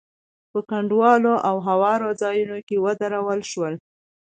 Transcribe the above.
په کنډوالو او هوارو ځايونو کې ودرول شول.